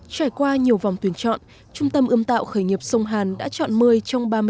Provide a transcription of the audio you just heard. trải qua nhiều vòng tuyển chọn trung tâm ươm tạo khởi nghiệp sông hàn đã chọn một mươi trong ba mươi